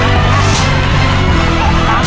อีกลูกเท่าไหร่